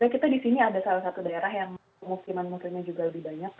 kita di sini ada salah satu daerah yang musliman muslimnya juga lebih banyak